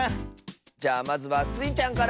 じゃあまずはスイちゃんから！